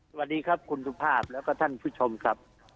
สวัสดีครับคุณสุภาพแล้วก็ท่านผู้ชมครับ